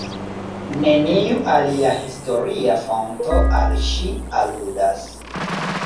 Neniu alia historia fonto al ŝi aludas.